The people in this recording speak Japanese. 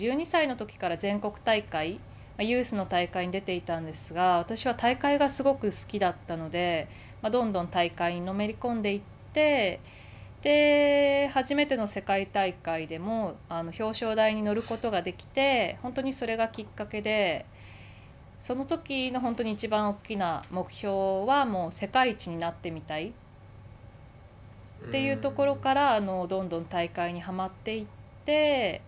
１２歳のときから全国大会ユースの大会に出ていたんですが私は大会がすごく好きだったのでどんどん大会にのめり込んでいって初めての世界大会でも表彰台に乗ることができて本当にそれがきっかけでそのときの本当にいちばん大きな目標は世界一になってみたいというところからどんどん大会にはまっていって。